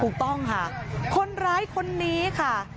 ถูกต้องค่ะคนร้ายคนนี้ค่ะ